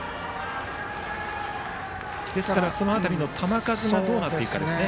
ですからその辺りの球数もどうなっていくかですね。